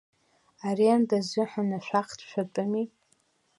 Аренда азыҳәан ашәахтә шәатәыми?!